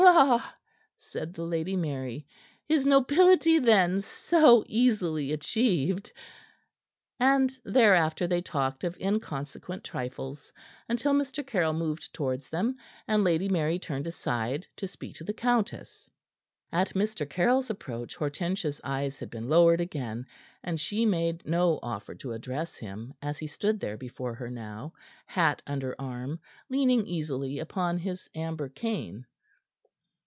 "La!" said the Lady Mary. "Is nobility, then, so easily achieved?" And thereafter they talked of inconsequent trifles, until Mr. Caryll moved towards them, and Lady Mary turned aside to speak to the countess. At Mr. Caryll's approach Hortensia's eyes had been lowered again, and she made no offer to address him as he stood before her now, hat under arm, leaning easily upon his amber cane.